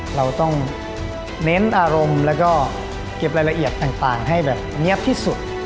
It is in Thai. เราต้องเน้นอารมณ์แล้วก็เก็บรายละเอียดต่างให้แบบเงียบที่สุด